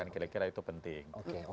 kira kira itu penting